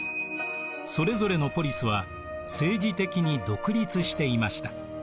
それぞれのポリスは政治的に独立していました。